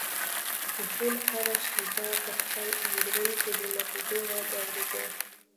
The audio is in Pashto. جون هره شېبه په خپل اندرون کې د ماتېدو غږ اورېده